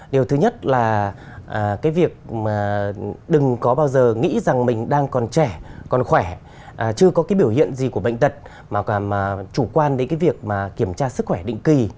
điều thứ nhất là cái việc đừng có bao giờ nghĩ rằng mình đang còn trẻ còn khỏe chưa có cái biểu hiện gì của bệnh tật mà còn chủ quan đến cái việc mà kiểm tra sức khỏe định kỳ